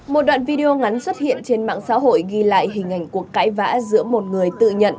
một đoạn video ngắn xuất hiện trên mạng xã hội ghi lại hình ảnh cuộc cãi vã giữa một người tự nhận